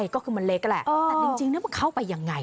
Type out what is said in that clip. ก็คือมันเล็กแหละแต่จริงมันเข้าไปยังไง